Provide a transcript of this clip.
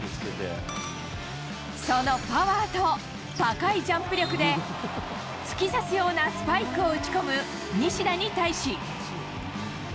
そのパワーと高いジャンプ力で、突き刺すようなスパイクを打ち込む西田に対し。